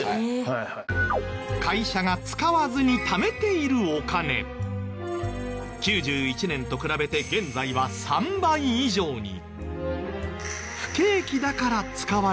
会社が使わずに溜めているお金９１年と比べて現在は３倍以上に。